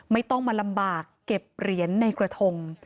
ไม่ต้องมาลำบากเก็บเหรียญในกระทง